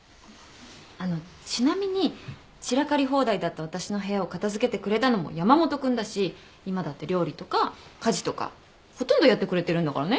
あのちなみに散らかり放題だった私の部屋を片付けてくれたのも山本君だし今だって料理とか家事とかほとんどやってくれてるんだからね。